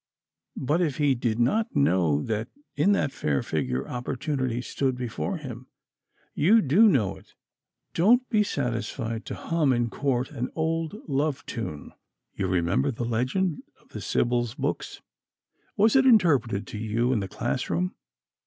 But if he did not know that in that fair figure opportunity stood before him, you do know it. Don't be satisfied to hum "in court an old love tune." You remember the legend of the Sibyl's books. Was it interpreted to you in the class room?